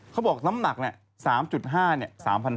เค้าบอกน้ำหนัก๓๕ขีดราคา๓๕๐๐บาท